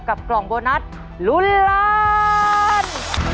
กับกล่องโบนัสลุณลัน